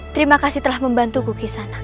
terima kasih telah membantuku kisana